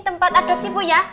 tempat adopsi bu ya